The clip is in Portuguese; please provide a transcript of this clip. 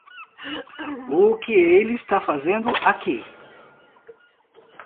O que ele está fazendo aqui?